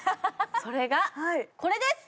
それがこれです。